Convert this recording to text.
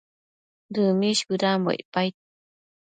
Dëmish bëdambo icpaid